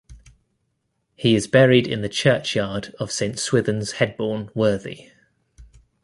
He is buried in the churchyard of Saint Swithun's Headbourne Worthy.